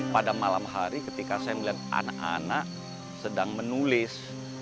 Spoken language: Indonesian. pada malam hari ketika saya melihat anak anak sedang menulis